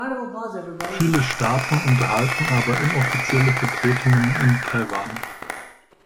Viele Staaten unterhalten aber inoffizielle Vertretungen in Taiwan.